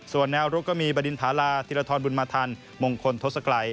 ส่วนแนวรุกก็มีบดินภาราธิรทรบุญมาทันมงคลทศกรัย